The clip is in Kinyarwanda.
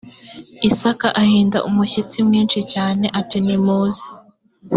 isaka ahinda umushyitsi mwinshi cyane ati nimuze